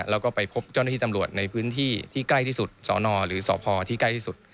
แล้วก็ไปพบเจ้าหน้าที่ตำรวจในพื้นที่ที่ใกล้ที่สุดสนหรือสพที่ใกล้ที่สุด